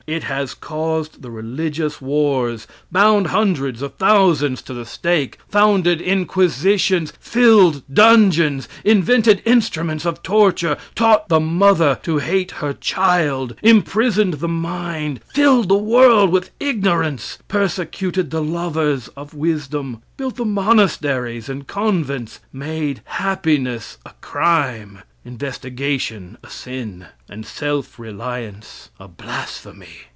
It has caused the religious wars; bound hundreds of thousands to the stake; founded inquisitions; filled dungeons; invented instruments of torture; taught the mother to hate her child; imprisoned the mind; filled the world with ignorance; persecuted the lovers of wisdom; built the monasteries and convents; made happiness a crime, investigation a sin, and self reliance a blasphemy.